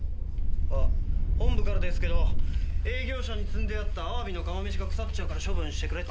あっ本部からですけど営業車に積んであったあわびの釜めしが腐っちゃうから処分してくれって。